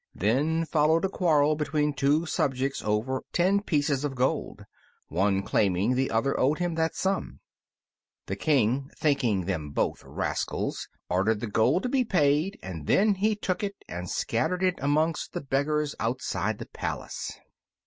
Then followed a quarrel between two subjects over ten pieces of gold, one claiming the other owed him that sum. The King, thinking them both rascals, ordered the gold to be paid, and then he took it and scattered it amongst the beggars outside the palace.